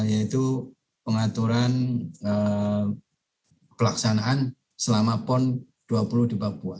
yaitu pengaturan pelaksanaan selama pon dua puluh di papua